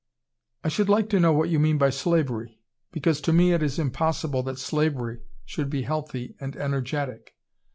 "I should like to know what you mean by slavery. Because to me it is impossible that slavery should be healthy and energetic.